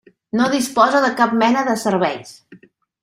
No disposa de cap mena de serveis.